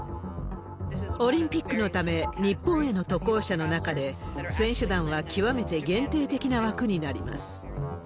オリンピックのため、日本への渡航者の中で、選手団は極めて限定的な枠になります。